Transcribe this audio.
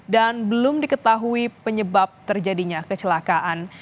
dan belum diketahui penyebab terjadinya kecelakaan